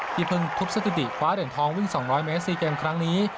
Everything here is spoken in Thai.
เพิ่งทุบสถิติคว้าเหรียญทองวิ่ง๒๐๐เมตร๔เกมครั้งนี้